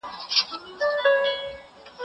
زکات د بې وزلو لپاره د ژوند نوې هیله ده.